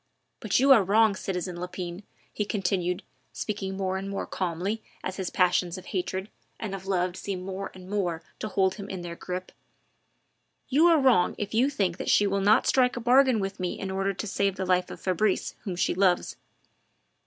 But you are wrong, citizen Lepine," he continued, speaking more and more calmly as his passions of hatred and of love seemed more and more to hold him in their grip; "you are wrong if you think that she will not strike a bargain with me in order to save the life of Fabrice, whom she loves.